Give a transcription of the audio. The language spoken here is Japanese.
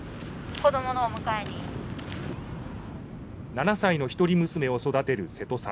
７歳の一人娘を育てる瀬戸さん。